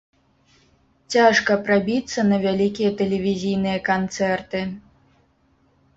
Цяжка прабіцца на вялікія тэлевізійныя канцэрты.